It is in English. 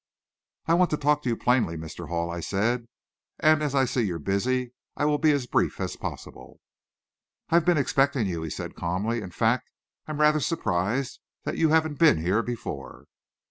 "I want to talk to you plainly, Mr. Hall," I said, "and as I see you're busy, I will be as brief as possible." "I've been expecting you," said he calmly. "In fact, I'm rather surprised that you haven't been here before."